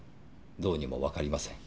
どうにもわかりません。